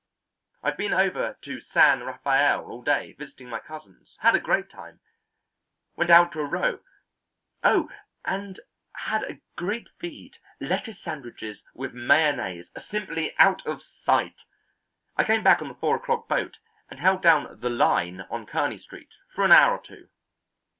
I've been over to San Rafael all day visiting my cousins; had a great time; went out to row. Oh, and had a great feed: lettuce sandwiches with mayonnaise. Simply out of sight. I came back on the four o'clock boat and held down the 'line' on Kearney Street for an hour or two."